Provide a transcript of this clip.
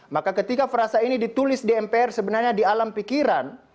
maka ketika frasa ini ditulis di mpr sebenarnya di alam pikiran